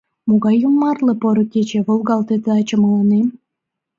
Могай йомартле поро кече Волгалте таче мыланем?